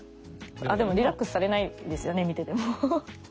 でもリラックスされないんですよね見てても。